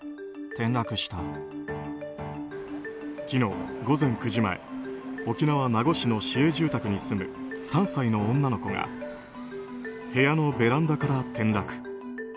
昨日午前９時前沖縄県名護市の市営住宅に住む３歳の女の子が部屋のベランダから転落。